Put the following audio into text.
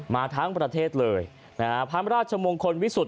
มาทั้งประเทศเลยนะฮะพระราชมงคลวิสุทธิ